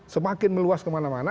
semakin meluas kemana mana